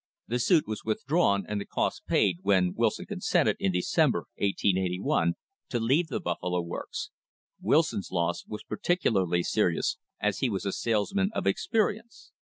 The suit was with THE BUFFALO CASE drawn and the costs paid, when Wilson consented, in Decem ber, 1 88 1, to leave the Buffalo Works. Wilson's loss was particularly serious, as he was a salesman of experience.